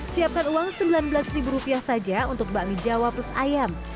siapkan uang sembilan belas saja untuk bakmi jawa plus ayam